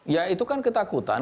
ya itu kan ketakutan